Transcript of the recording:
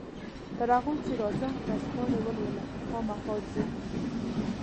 تر هغو چې راځم ورځپاڼې ولوله، خامخا ځې؟